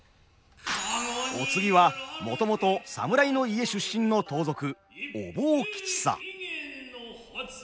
お次はもともと侍の家出身の盗賊お坊吉三。